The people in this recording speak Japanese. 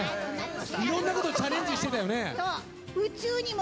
いろんなことチャレンジしてたよね？